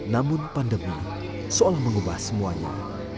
namun pandemi seolah mengubah semuanya